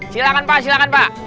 silahkan pak silahkan pak